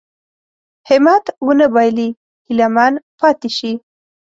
همت ونه بايلي هيله من پاتې شي.